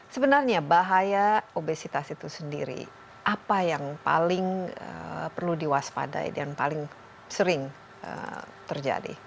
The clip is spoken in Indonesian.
sebenarnya bahaya obesitas itu sendiri apa yang paling perlu diwaspadai dan paling sering terjadi